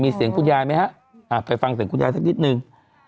มีเสียงคุณยายไหมฮะไปฟังเสียงคุณยายสักนิดนึง